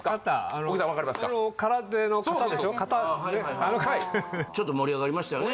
はいはいちょっと盛り上がりましたよね